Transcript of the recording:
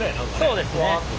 そうですね。